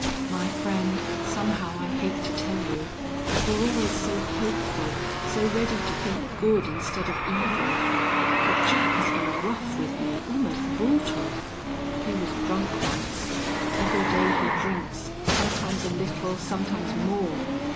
"My friend, somehow I hate to tell you. You're always so hopeful, so ready to think good instead of evil.... But Jack has been rough with me, almost brutal. He was drunk once. Every day he drinks, sometimes a little, sometimes more.